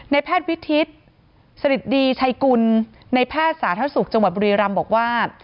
แพทย์วิทิศสฤดีชัยกุลในแพทย์สาธารณสุขจังหวัดบุรีรำบอกว่า